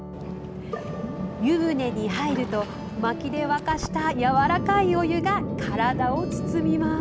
湯船に入ると、薪で沸かしたやわらかいお湯が体を包みます。